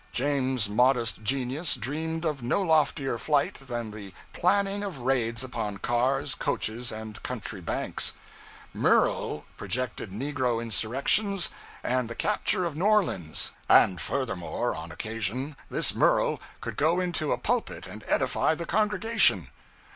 James's modest genius dreamed of no loftier flight than the planning of raids upon cars, coaches, and country banks; Murel projected negro insurrections and the capture of New Orleans; and furthermore, on occasion, this Murel could go into a pulpit and edify the congregation.